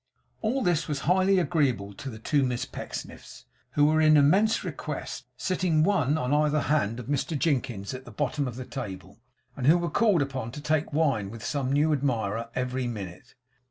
All this was highly agreeable to the two Miss Pecksniffs, who were in immense request; sitting one on either hand of Mr Jinkins at the bottom of the table; and who were called upon to take wine with some new admirer every minute.